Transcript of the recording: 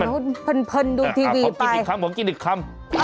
อืมมันพึนดูทีวีไปผมกินอีกคำผมกินอีกคำ